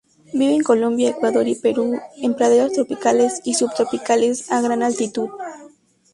Vive en Colombia, Ecuador y Perú, en praderas tropicales y subtropicales a gran altitud.